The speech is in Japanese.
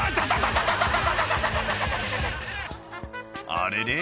あれれ？